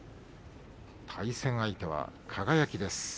対戦相手は輝です。